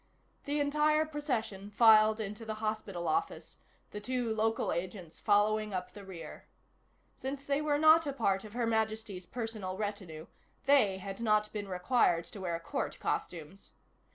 The entire procession filed into the hospital office, the two local agents following up the rear. Since they were not a part of Her Majesty's personal retinue, they had not been required to wear court costumes.